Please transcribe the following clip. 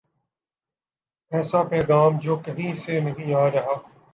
ایسا پیغام جو کہیں سے نہیں آ رہا۔